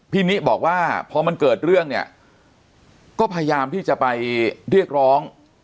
นิบอกว่าพอมันเกิดเรื่องเนี่ยก็พยายามที่จะไปเรียกร้อง